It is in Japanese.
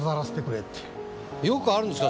よくあるんですか？